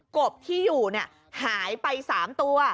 กบที่อยู่เนี่ยหายไป๓ตัว